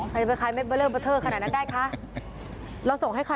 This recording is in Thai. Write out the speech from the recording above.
ใครจะไปคลายเม็ดเบอร์เลอร์เบอร์เทอร์ขนาดนั้นได้คะ